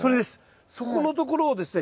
そこのところをですね